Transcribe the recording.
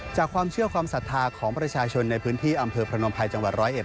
จากความเชื่อความศรัทธาของประชาชนในพื้นที่อำเภอพนมภัยจังหวัดร้อยเอ็ด